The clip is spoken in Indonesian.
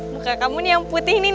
muka kamu nih yang putih nih